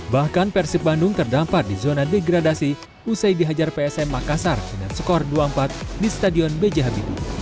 bahkan persib bandung terdampar di zona degradasi usai dihajar psm makassar dengan skor dua puluh empat di stadion bj habibi